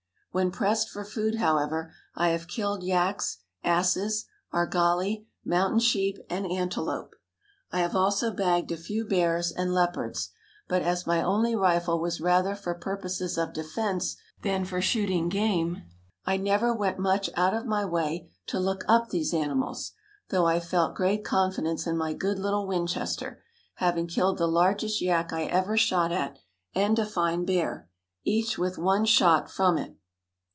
When pressed for food, however, I have killed yaks, asses, argali, mountain sheep and antelope; I have also bagged a few bears and leopards; but, as my only rifle was rather for purposes of defense than for shooting game, I never went much out of my way to look up these animals, though I felt great confidence in my good little Winchester, having killed the largest yak I ever shot at, and a fine bear, each with one shot from it.